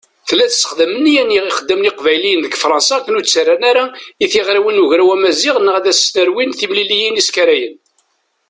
Tella tessexdam nniya n yixeddamen iqbayliyen deg Fṛansa akken ur d-ttarran ara i tiɣriwin n Ugraw Amaziɣ neɣ ad s-nerwin timliliyin iskarayen.